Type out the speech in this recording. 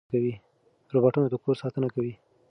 روباټونه د کور ساتنه کوي.